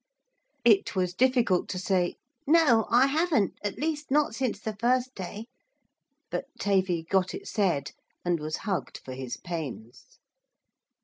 It was difficult to say, 'No, I haven't, at least not since the first day,' but Tavy got it said, and was hugged for his pains.